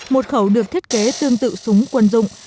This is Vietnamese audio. một khẩu được thiết kế tương tự súng quân dụng